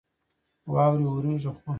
واورې اوريږي ،خو